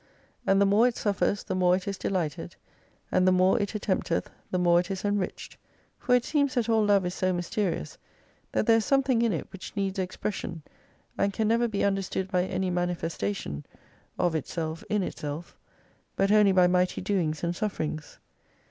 And the more it suffers the more it is delighted, and the more it attempteth the more it is enriched. For it seems that all love is so mysterious that there is something in it which needs expression and can never be understood by any manifestation, (of itself, in itself) but only by mighty doings and sufferings.